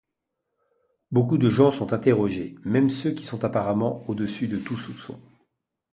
Beaucoup de gens sont interrogés, même ceux qui sont apparemment au-dessus de tout soupçon.